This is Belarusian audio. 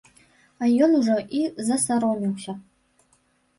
А ён ужо і засаромеўся.